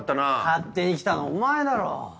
勝手に来たのお前だろ。